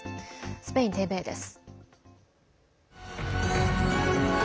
スペインＴＶＥです。